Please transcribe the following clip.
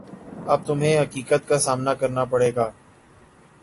اب تمہیں حقیقت کا سامنا کرنا پڑے گا